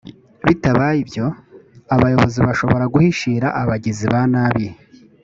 bitabaye ibyo abayobozi bashobora guhishira abagizi ba nabi